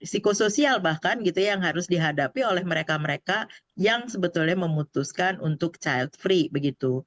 psikosoial bahkan gitu yang harus dihadapi oleh mereka mereka yang sebetulnya memutuskan untuk child free begitu